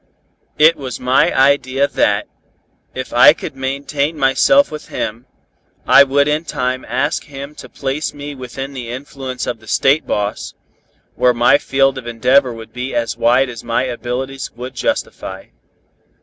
It was my idea that, if I could maintain myself with him, I would in time ask him to place me within the influence of the State boss, where my field of endeavor would be as wide as my abilities would justify.